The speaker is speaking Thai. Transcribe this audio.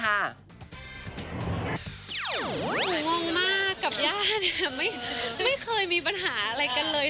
หนูงงมากกับญาติไม่เคยมีปัญหาอะไรกันเลย